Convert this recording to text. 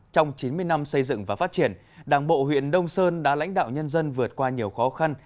trong chín mươi năm xây dựng và phát triển đảng bộ huyện đông sơn đã lãnh đạo nhân dân vượt qua nhiều khó khăn